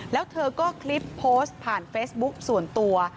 แล้วเธอก็คลิปโพสต์ผ่านเฟซบุ๊กส่วนตัว